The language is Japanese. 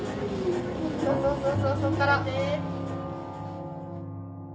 そうそうそうそっから。